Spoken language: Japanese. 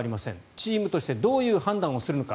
チームとしてどういう判断をするのか